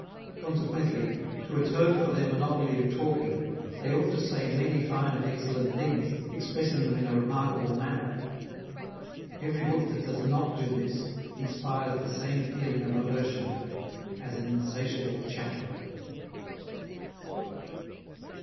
Consequently, to atone for their monopoly of talking, they ought to say many fine and excellent things, expressing them in a remarkable manner. Every book that does not do this inspires the same feeling of aversion as an insatiable chatterer."